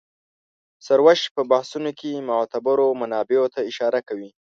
سروش په بحثونو کې معتبرو منابعو ته اشاره کوي.